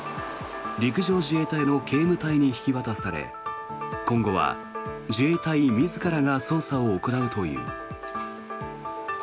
陸上自衛隊の警務隊に引き渡され今後は自衛隊自らが捜査を行うという。